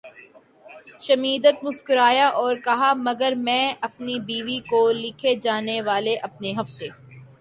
Schmidt مسکرایا اور کہا مگر میں اپنی بیوی کو لکھے جانے والے اپنے ہفتہ